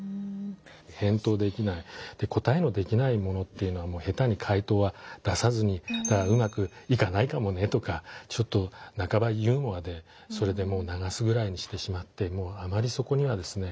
返答できない答えのできないものっていうのは下手に回答は出さずにただ「うまくいかないかもね」とかちょっと半ばユーモアでそれでもうながすぐらいにしてしまってあまりそこにはですね